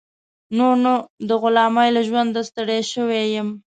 نور نو د غلامۍ له ژونده ستړی شوی دی.